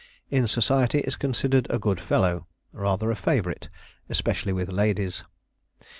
In society is considered a good fellow; rather a favorite, especially with ladies.